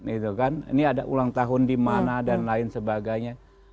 ini ada ulang tahun di mana dan lain sebagainya